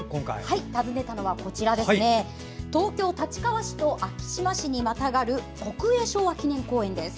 訪れたのは東京・昭島市と立川市にまたがる国営昭和記念公園です。